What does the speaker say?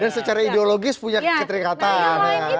dan secara ideologis punya keteringatan